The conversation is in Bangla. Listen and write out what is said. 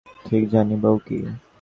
ঠিক জানি বৈকি।